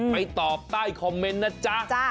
ไปตอบใต้คอมเมนต์นะจ๊ะ